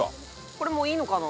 これもういいのかな？